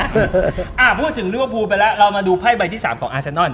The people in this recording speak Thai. เพราะจึงเลือกพูดไปแล้วเรามาดูไพ่ใบที่๓ของอาร์แซนอน